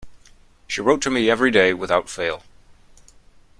She wrote to me every day, without fail.